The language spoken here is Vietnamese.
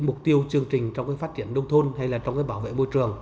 mục tiêu chương trình trong cái phát triển đông thôn hay là trong cái bảo vệ môi trường